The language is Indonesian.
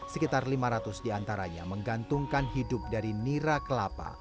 sekitar lima ratus diantaranya menggantungkan hidup dari nira kelapa